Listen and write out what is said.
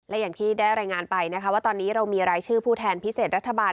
และอย่างที่ได้รายงานไปนะคะว่าตอนนี้เรามีรายชื่อผู้แทนพิเศษรัฐบาล